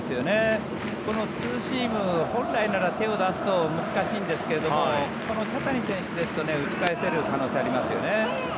このツーシーム本来なら手を出すと難しいんですけれどこの茶谷選手ですと打ち返せる可能性がありますよね。